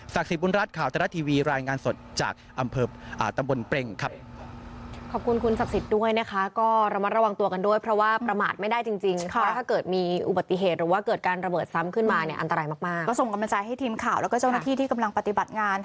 สิทธิบุญรัฐข่าวทรัฐทีวีรายงานสดจากอำเภอตำบลเปร่งครับ